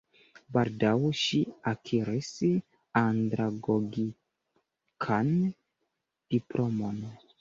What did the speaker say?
Baldaŭ ŝi akiris andragogikan diplomon.